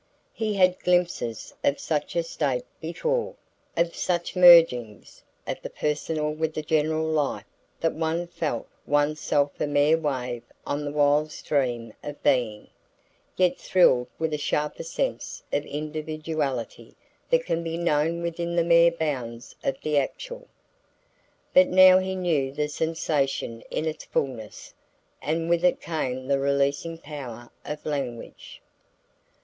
He had had glimpses of such a state before, of such mergings of the personal with the general life that one felt one's self a mere wave on the wild stream of being, yet thrilled with a sharper sense of individuality than can be known within the mere bounds of the actual. But now he knew the sensation in its fulness, and with it came the releasing power of language.